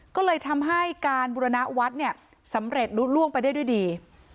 ก็เลยทำให้การบุรณวัฒน์เนี่ยสำเร็จลุดล่วงไปได้ด้วยดี